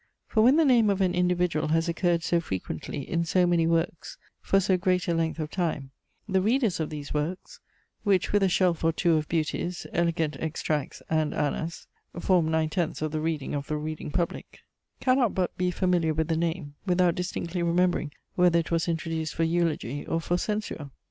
For when the name of an individual has occurred so frequently, in so many works, for so great a length of time, the readers of these works (which with a shelf or two of beauties, elegant Extracts and Anas, form nine tenths of the reading of the reading Public ) cannot but be familiar with the name, without distinctly remembering whether it was introduced for eulogy or for censure.